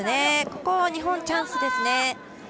ここ、日本はチャンスです。